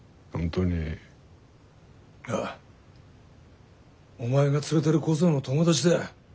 ああお前が連れてる小僧の友達だ。